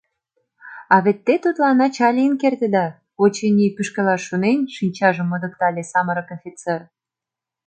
А вет те тудлан ача лийын кертыда, — очыни, пӱшкылаш шонен, шинчажым модыктале самырык офицер.